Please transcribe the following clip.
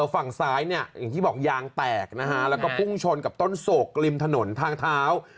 ฝั่งซ้ายเนี่ยอย่างที่บอกยางแตกนะฮะแล้วก็พุ่งชนกับต้นโศกริมถนนทางเท้า